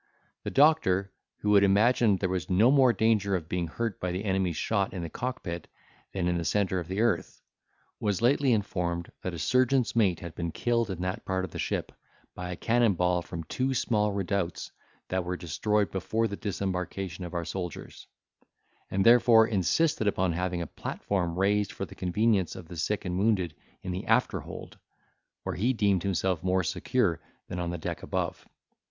The doctor, who had imagined there was no more danger of being hurt by the enemy's shot in the cockpit than in the centre of the earth, was lately informed that a surgeon's mate had been killed in that part of the ship by a cannon ball from two small redoubts that were destroyed before the disembarkation of our soldiers; and therefore insisted upon having a platform raised for the convenience of the sick and wounded in the after hold, where he deemed himself more secure than on the deck above.